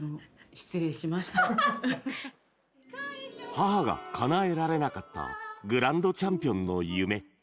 母がかなえられなかったグランドチャンピオンの夢。